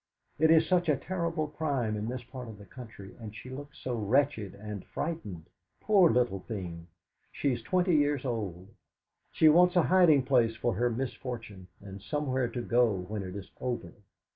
It is such a terrible crime in this part of the country, and she looks so wretched and frightened, poor little thing! She is twenty years old. She wants a hiding place for her misfortune, and somewhere to go when it is over.